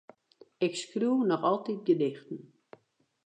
Ik skriuw noch altyd gedichten.